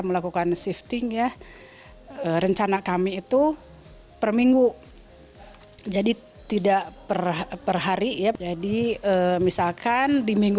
melakukan shifting ya rencana kami itu per minggu jadi tidak perhari ya jadi misalkan di minggu